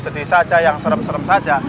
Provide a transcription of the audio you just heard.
sedih saja yang serem serem saja